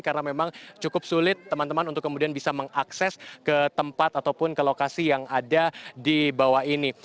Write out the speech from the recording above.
karena memang cukup sulit teman teman untuk kemudian bisa mengakses ke tempat ataupun ke lokasi yang ada di bawah ini